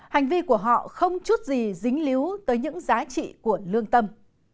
hành vi của họ không chút gì dính líu tới những giá trị của lương tâm